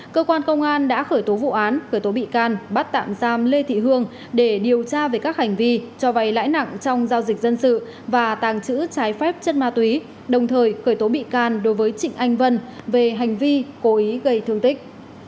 cơ quan công an đã khởi tố vụ án khởi tố bị can bắt tạm giam lê thị hương để điều tra về các hành vi cho vay lãi nặng trong giao dịch dân sự và tàng trữ trái phép chất ma túy đồng thời khởi tố bị can đối với trịnh anh vân về hành vi cố ý gây thương tích